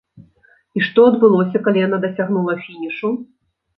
І што адбылося, калі яна дасягнула фінішу?